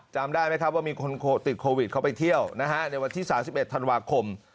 จำได้ไหมครับว่ามีคนติดโควิดเข้าไปเที่ยวนะฮะในวันที่๓๑ธันวาคม